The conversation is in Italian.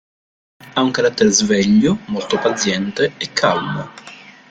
Ha un carattere sveglio, molto paziente e calmo.